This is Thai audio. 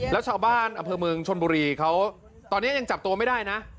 แล้วชาวบ้านอำเภอเมืองชนบุรีเขาตอนนี้ยังจับตัวไม่ได้นะ